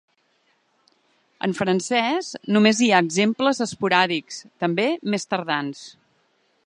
En francès només hi ha exemples esporàdics, també més tardans.